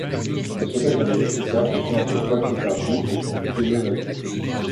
Lachapelle est un village picard situé entre Poix-de-Picardie et Thieulloy-la-Ville.